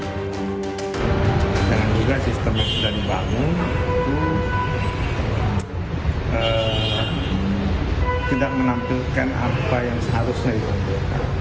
jangan juga sistem yang sudah dibangun itu tidak menampilkan apa yang seharusnya ditampilkan